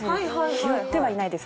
拾ってはいないです。